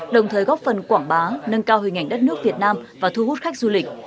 đồng thời góp phần quảng bá nâng cao hình ảnh đất nước việt nam và thu hút khách du lịch